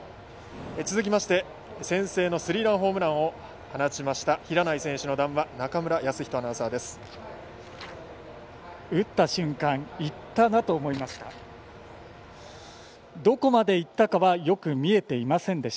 続きまして、先制のスリーランホームランを放った平内選手の談話中村泰人アナウンサーです。